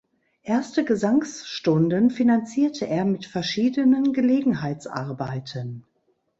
Erste Gesangsstunden finanzierte er mit verschiedenen Gelegenheitsarbeiten.